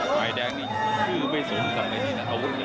ไหว้แดงนี่ชื่อไม่สูงกับอาวุธนี่